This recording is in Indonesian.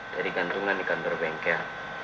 dari gantungan ikan berbengkel